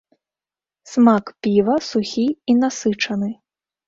Смак піва сухі і насычаны.